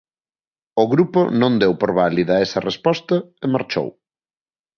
O grupo non deu por válida esa resposta e marchou.